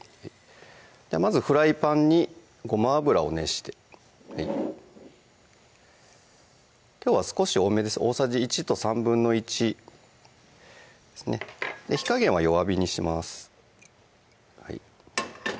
まずフライパンにごま油を熱してきょうは少し多めです大さじ１と１／３火加減は弱火にします